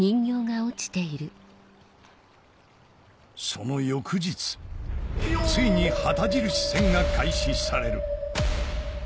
その翌日ついに旗印戦が開始される